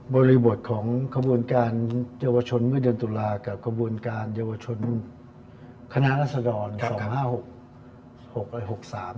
บริบทของขบวนการเยาวชนเมื่อเดือนตุลากับขบวนการเยาวชนคณะรัศดร๒๕๖๖และ๖๓